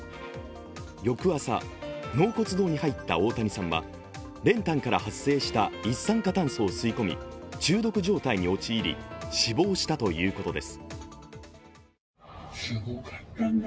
翌朝、納骨堂に入った大谷さんは練炭から発生した一酸化炭素を吸い込み中毒状態に陥り、死亡したということです。